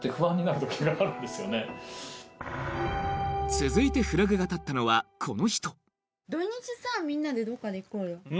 続いてフラグが立ったのはこの人土日さみんなでどっか行こうよ。